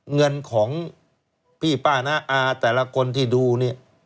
เงินของพี่ป้าน้าอาแต่ละคนที่ดูเนี่ย